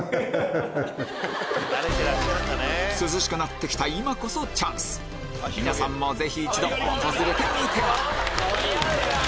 涼しくなってきた今こそチャンス皆さんもぜひ一度訪れてみては？